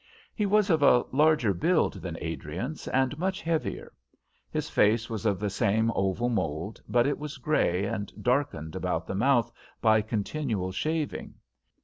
He was of a larger build than Adriance, and much heavier. His face was of the same oval mould, but it was grey, and darkened about the mouth by continual shaving.